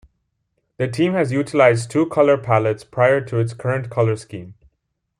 The team has utilized two color palettes prior to its current color scheme.